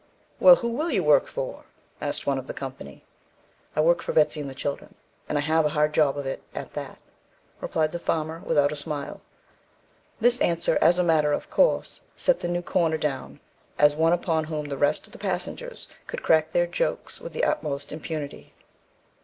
"Well, who will you work for?" asked one of the company. "I work for Betsy and the children, and I have a hard job of it at that," replied the farmer, without a smile. This answer, as a matter of course, set the new corner down as one upon whom the rest of the passengers could crack their jokes with the utmost impunity.